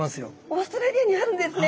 オーストラリアにあるんですね。